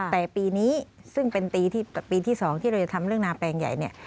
แต่ปีนี้ซึ่งเป็นปีที่๒ที่เราจะทำเรื่องนาแปลงใหญ่เนี่ย